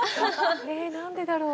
え何でだろう？